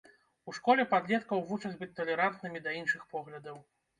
У школе падлеткаў вучаць быць талерантнымі да іншых поглядаў.